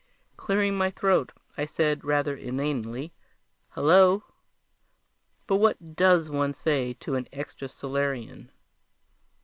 Clearing my throat, I said rather inanely, "Hello!" but what does one say to an extrasolarian?